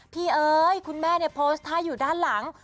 เอ้ยคุณแม่เนี่ยโพสต์ท่าอยู่ด้านหลัง